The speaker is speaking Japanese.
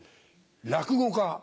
落語家。